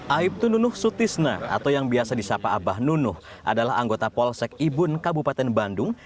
aibtu nunuh sutisna atau yang biasa disapa abah nunuh adalah anggota polsek ibun kabupaten bandung